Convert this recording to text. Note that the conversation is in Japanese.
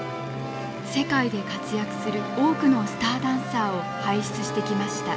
世界で活躍する多くのスターダンサーを輩出してきました。